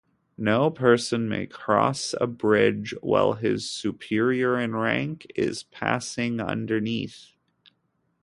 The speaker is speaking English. No person may cross a bridge while his superior in rank is passing underneath.